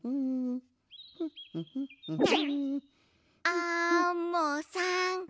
アンモさん。